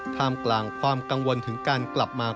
ท่ามกลางความกังวลถึงการกลับมา